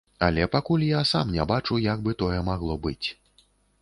Але пакуль я сам не бачу, як бы тое магло быць.